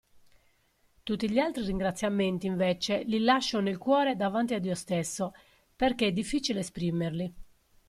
Tutti gli altri ringraziamenti, invece, li lascio nel cuore davanti a Dio stesso, perché è difficile esprimerli.